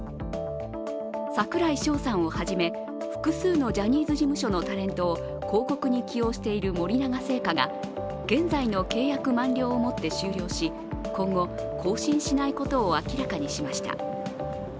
櫻井翔さんをはじめ複数のジャニーズ事務所のタレントを広告に起用している森永製菓が現在の契約満了をもって終了し今後、更新しないことを明らかにしました。